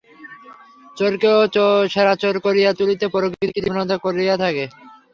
চোরকেও সেরা চোর করিয়া তুলিতে প্রকৃতি কৃপণতা করিয়া থাকে।